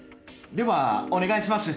ではお願いします。